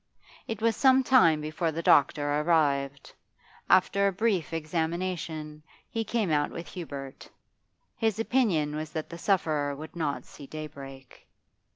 It was some time before the doctor arrived. After a brief examination, he came out with Hubert; his opinion was that the sufferer would not see daybreak.